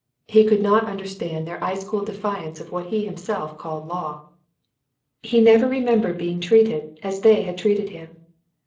He could not understand their ice cold defiance of what he himself called law. He never remembered being treated as they had treated him.